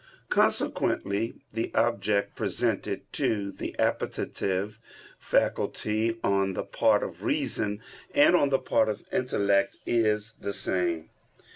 Consequently the object presented to the appetitive faculty on the part of reason and on the part of intellect is the same.